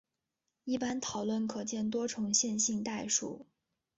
一般讨论可见多重线性代数。